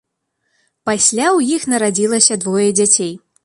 Пасля ў іх нарадзілася двое дзяцей.